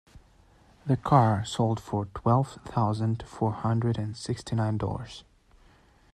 The car sold for twelve thousand four hundred and sixty nine dollars.